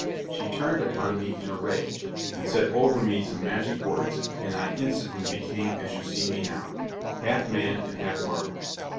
She turned upon me in a rage, and said over me some magic words, and I instantly became as you see me now, half man and half marble.